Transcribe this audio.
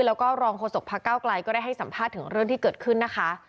แล้วก็รองโฆษกพระเก้าไกลก็ได้ให้สัมภาษณ์ถึงเรื่องที่เกิดขึ้นนะคะ